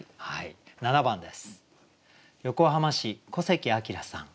７番です。